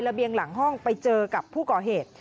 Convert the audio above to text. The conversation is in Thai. เบียงหลังห้องไปเจอกับผู้ก่อเหตุ